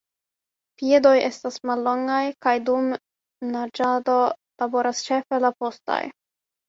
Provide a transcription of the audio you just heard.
Piedoj estas mallongaj kaj dum naĝado laboras ĉefe la postaj.